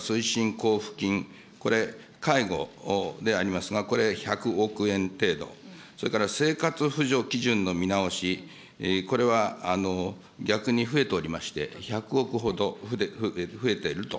交付金、これ、介護でありますが、これ１００億円程度、それから生活扶助基準の見直し、これは逆に増えておりまして、１００億ほど増えていると。